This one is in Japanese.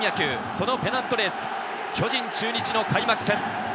そのペナントレース、巨人・中日の開幕戦。